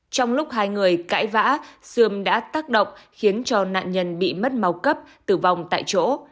trong lúc hai người cãi vã xương đã tác động khiến cho nạn nhân bị mất máu cấp tử vong tại chỗ